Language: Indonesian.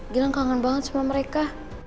bilang kangen banget sama mereka